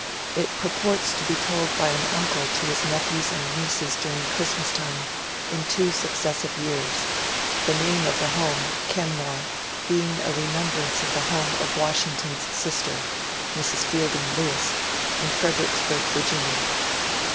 It purports to be told by an uncle to his nephews and nieces during Christmas time in two successive years, — the name of the home, ^^ Eenmore, being a remembrance of the home of Washington's sister (Mrs. Fielding Lewis) in Fredericks burg, Ya.